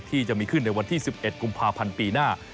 ที่จะมีขึ้นในวันที่๑๑กุมภาพันธ์ปีหน้า